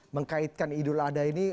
mengkaitkan idul adha ini